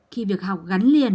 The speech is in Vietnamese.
khi việc học gắn liền